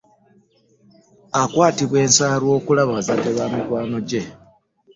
Nkwatibwa ensaalwa okulaba bazadde ba mikwano gyange.